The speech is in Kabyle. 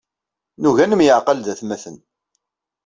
Nugi ad nemyeɛqal d atmaten.